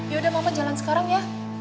yaudah mau jalan sekarang ya